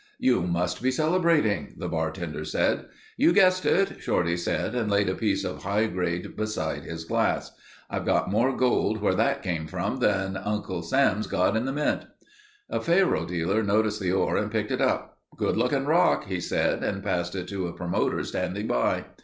"You must be celebrating," the bartender said. "You guessed it," Shorty said and laid a piece of high grade beside his glass. "I've got more gold where that came from than Uncle Sam's got in the mint." A faro dealer noticed the ore and picked it up. "Good looking rock," he said and passed it to a promoter standing by.